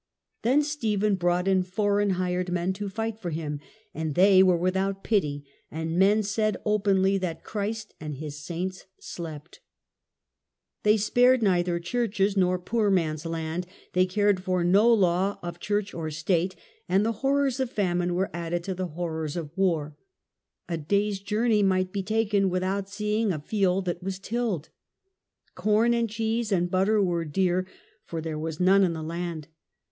Then Stephen brought in foreign hired men to fight for him, and they were without pity, and men "said openly that Christ and His saints slept ". They spared neither churches nor poor man's land, they cared for no law of church or state. And the horrors of famine were added to the horrors of war; a day's journey might be taken The Horrors without Seeing a field that was tilled. " Corn of the time, ^nid cheese and butter were dear, for there was none in the land.